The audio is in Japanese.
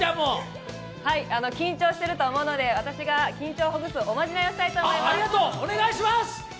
緊張していると思うので、私が緊張をほぐすおまじないをしたいと思います。